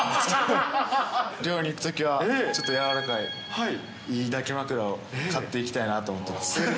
寮に行くときは、ちょっとやわらかい、いい抱き枕を買っていきたいなと思ってます。